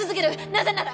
なぜなら。